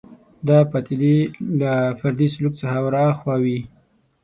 دا پدیدې له فردي سلوک څخه ورهاخوا وي